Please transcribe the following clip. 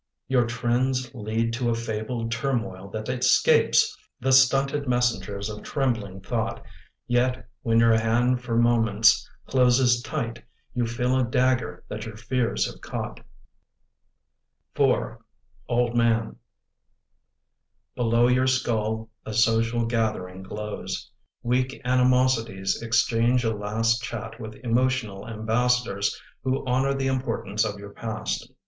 Your trends Lead to a fabled turmoil that escapes The stunted messengers of trembling thought. Yet, when your hand for moments closes tight You feel a dagger that your fears have caught IV OLD MAN B ELOW your skull a social gathering glows. Weak animosities exchange a last Chat with emotional ambassadors Who honor the importance of your past.